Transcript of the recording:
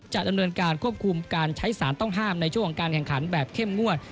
จะดำเนินการควบคุมการใช้สารต้องห้ามในช่วงของการแข่งขันแบบเข้มงวด